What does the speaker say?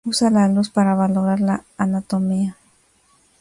Usa la luz para valorar la anatomía.